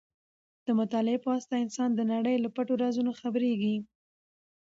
د مطالعې په واسطه انسان د نړۍ له پټو رازونو خبرېږي.